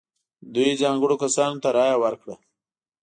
دوی ځانګړو کسانو ته رایه ورکړه.